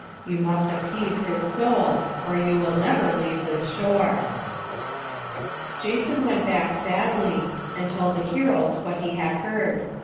You must appease his soul, or you will never leave this shore." Jason went back sadly, and told the heroes what he had heard.